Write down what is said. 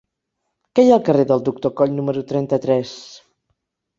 Què hi ha al carrer del Doctor Coll número trenta-tres?